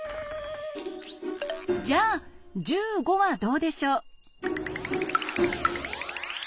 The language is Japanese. じゃあ１５はどうでしょう？